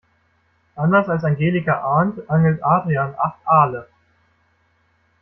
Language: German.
Anders als Angelika Arndt angelt Adrian acht Aale.